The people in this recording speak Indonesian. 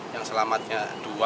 yang selamatnya dua